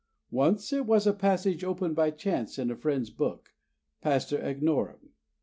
Once it was a passage opened by chance in a friend's book Pastor Agnorum.